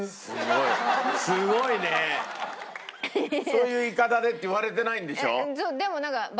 そういう言い方でって言われてないんでしょ？